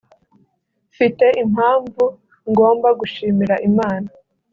“Mfite impamvu ngomba gushimira Imana